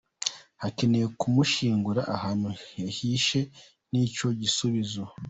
Hakenewe kumushyingura ahantu hihishe, nicyo gisubizo.